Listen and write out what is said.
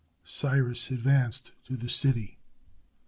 Cyrus advanced to the city.